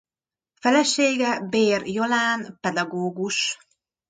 Felesége Bér Jolán pedagógus.